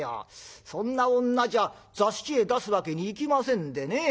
そんな女じゃ座敷へ出すわけにいきませんでね。